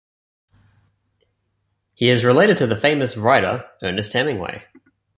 He is related to the famous writer Ernest Hemingway.